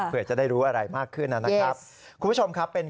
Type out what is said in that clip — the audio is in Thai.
เผื่อจะได้รู้อะไรมากขึ้นนั่นนะครับ